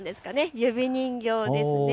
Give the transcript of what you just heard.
指人形です。